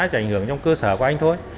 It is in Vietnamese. chẳng ảnh hưởng đến cơ sở của anh thôi